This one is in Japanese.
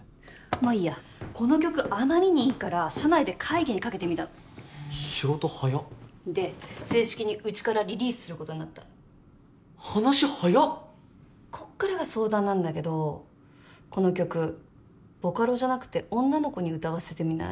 まあいいやこの曲あまりにいいから社内で会議にかけてみたの仕事はやっで正式にうちからリリースすることになった話はやっこっからが相談なんだけどこの曲ボカロじゃなくて女の子に歌わせてみない？